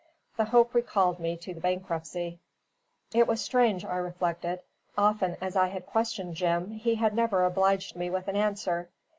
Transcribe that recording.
The hope recalled me to the bankruptcy. It was strange, I reflected: often as I had questioned Jim, he had never obliged me with an answer.